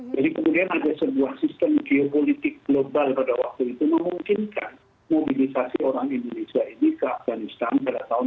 jadi kemudian ada sebuah sistem geopolitik global pada waktu itu memungkinkan mobilisasi orang indonesia ini ke afghanistan pada tahun seribu sembilan ratus tujuh puluh sembilan